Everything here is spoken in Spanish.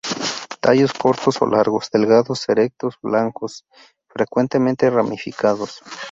Tallos cortos o largos, delgados, erectos, blancos, frecuentemente ramificados.